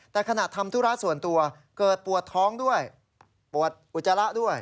แต่ขณะทำธุระส่วนตัวเกิดปวดท้องด้วยปวดอุจจาระด้วย